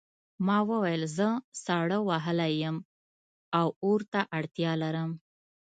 ما وویل زه ساړه وهلی یم او اور ته اړتیا لرم